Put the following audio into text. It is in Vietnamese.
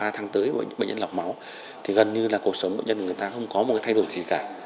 ba tháng tới bệnh nhân lọc máu thì gần như là cuộc sống bệnh nhân của người ta không có một cái thay đổi gì cả